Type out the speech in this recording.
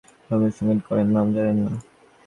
রবীন্দ্রসংগীত করেন, নাম জানেন না?